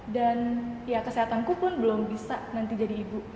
dan ya kesehatanku pun belum bisa nanti jadi ibu